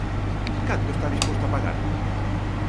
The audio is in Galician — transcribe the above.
Canto está disposto a pagar?